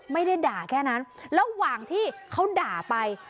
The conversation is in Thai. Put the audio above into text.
ไม่ได้ด่าแค่นั้นระหว่างที่เขาด่าไป